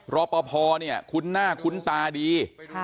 รอปภเนี่ยคุ้นหน้าคุ้นตาดี